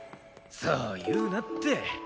そう言うなって。